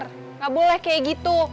enggak boleh kayak gitu